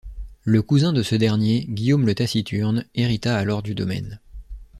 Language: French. Le cousin de ce dernier, Guillaume le Taciturne, hérita alors du domaine.